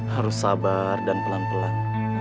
harus sabar dan pelan pelan